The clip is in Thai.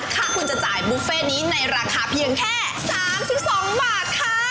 ถ้าคุณจะจ่ายบุฟเฟ่นี้ในราคาเพียงแค่๓๒บาทค่ะ